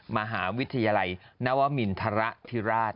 มหาวิทยาลัยนวมินทรธิราช